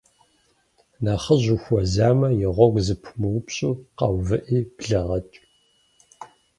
Нэхъыжь ухуэзэмэ, и гъуэгу зэпумыупщӏу, къэувыӏи блэгъэкӏ.